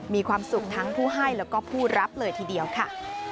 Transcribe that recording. มีความสุขทั้งผู้ให้แล้วก็ผู้รับเลยทีเดียวค่ะ